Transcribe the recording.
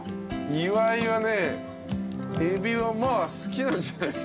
岩井はねエビはまあ好きなんじゃないですか。